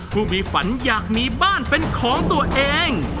ผู้มีฝันอยากมีบ้านเป็นของตัวเอง